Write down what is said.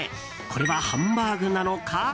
これはハンバーグなのか？